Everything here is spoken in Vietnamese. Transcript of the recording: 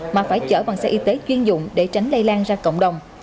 mà phải chở bằng xe y tế chuyên dụng để tránh lây lan ra cộng đồng